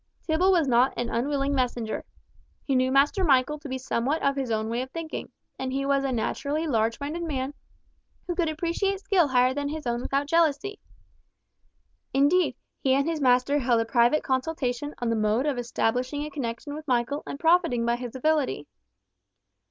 Tibble was not an unwilling messenger. He knew Master Michael to be somewhat of his own way of thinking, and he was a naturally large minded man who could appreciate skill higher than his own without jealousy. Indeed, he and his master held a private consultation on the mode of establishing a connection with Michael and profiting by his ability.